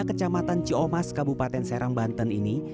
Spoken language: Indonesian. kecamatan ciomas kabupaten serang banten ini